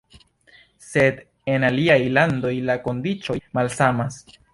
Sed en aliaj landoj la kondiĉoj malsamas.